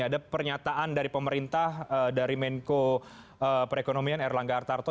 ada pernyataan dari pemerintah dari menko perekonomian erlangga hartarto